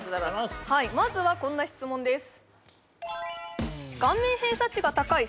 まずはこんな質問です